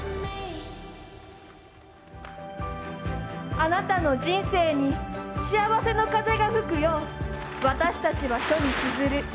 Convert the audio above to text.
あなたの人生に幸せの風が吹くよう私たちは書につづる。